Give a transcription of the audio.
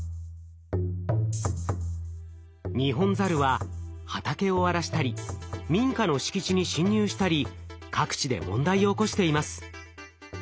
ニホンザルは畑を荒らしたり民家の敷地に侵入したり各地で問題を起こしています。